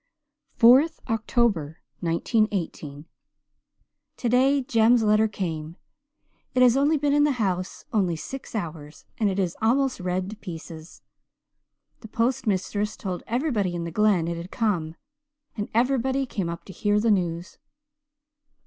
4th October 1918 "Today Jem's letter came. It has been in the house only six hours and it is almost read to pieces. The post mistress told everybody in the Glen it had come, and everybody came up to hear the news.